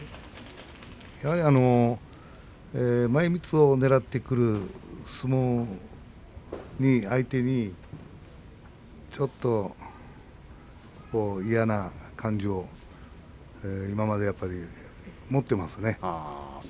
やはり前みつをねらってくる相撲に相手にちょっと嫌な感情を今まで持っていますね。